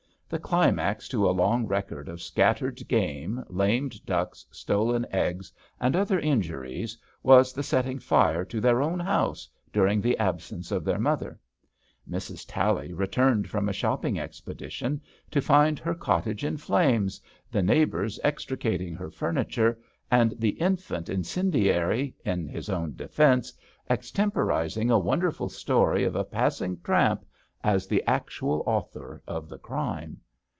The climax to a long record of scattered game, lamed ducks, stolen eggs, and other injuries was the setting fire to their own house, during the absence of their mother. Mrs. Tally returned from a shopping expedition to find her cottage in flames, the neighbours extri cating her furniture, and the infant incen diary, in his own defence, extemporizing a wonderful story of a passing tramp as the actual author of the crime.